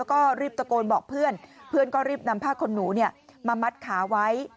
แล้วก็รีบตะโกนบอกเพื่อนเพื่อนก็รีบนำผ้าขนหนูมามัดขาไว้